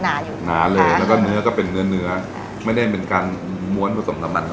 หนาอยู่หนาเลยแล้วก็เนื้อก็เป็นเนื้อเนื้อค่ะไม่ได้เป็นการม้วนผสมกับมันเข้าไปด้วยกัน